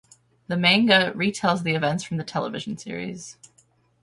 The manga retells the events from the television series.